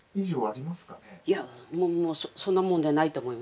いやもうそんなもんでないと思います。